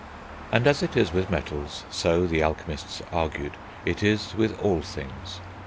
And as it is with metals, so, the alchemists argued, it is with all things.